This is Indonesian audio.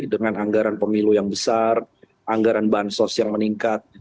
dengan anggaran pemilu yang besar anggaran bahan sosial meningkat